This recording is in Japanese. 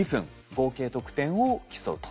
合計得点を競うと。